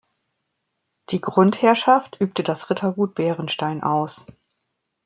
Die Grundherrschaft übte das Rittergut Bärenstein aus.